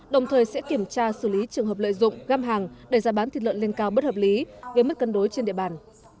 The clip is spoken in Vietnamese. đồng thời sẽ kiểm tra xử lý trường hợp lợi dụng găm hàng để ra bán thịt lợn lên cao bất hợp lý gây mất cân đối trên địa bàn